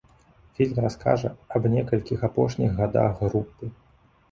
Фільм раскажа аб некалькіх апошніх гадах групы.